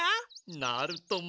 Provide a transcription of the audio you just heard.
なるとも。